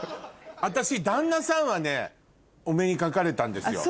私旦那さんはねお目にかかれたんですよ